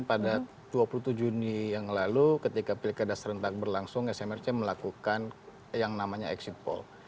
pada dua puluh tujuh juni yang lalu ketika pilkada serentak berlangsung smrc melakukan yang namanya exit poll